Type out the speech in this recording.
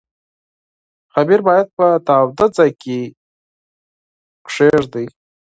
خمیر باید په تاوده ځای کې کېږدئ.